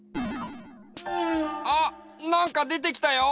あっなんかでてきたよ！